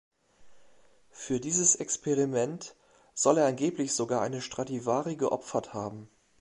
Für dieses Experiment soll er angeblich sogar eine Stradivari geopfert haben.